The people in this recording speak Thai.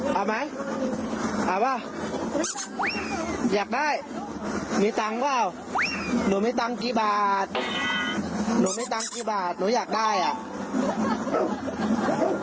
ไหมถามว่าแมกได้มีตังค์ว่าหนูไม่ตังค์กี้บาทหนูสำคัญสิบบาทหนูอยากได้อ่ะ